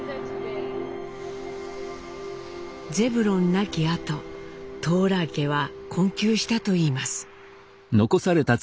ゼブロン亡きあとトーラー家は困窮したといいます。